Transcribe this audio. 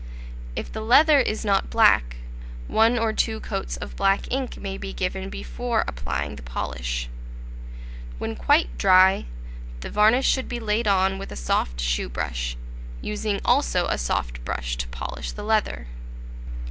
If the leather is not black, one or two coats of black ink may be given before applying the polish. When quite dry, the varnish should be laid on with a soft shoe brush, using also a soft brush to polish the leather.